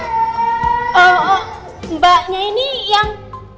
oh mbaknya ini yang